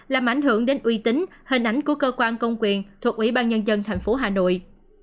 làm ảnh hưởng đến uy tín hình ảnh của cơ quan công quyền thuộc ủy ban nhân dân tp hà nội